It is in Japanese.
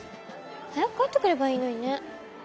早く帰ってくればいいのにね。